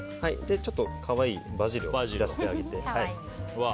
ちょっと可愛いバジルを散らしてあげて。